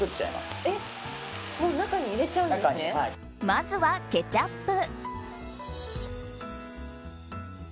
まずはケチャップ。